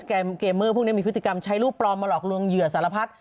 เกมเมอร์พวกนี้มีพฤติกรรมใช้รูปปลอมมาหลอกลวงเหยื่อสารพัด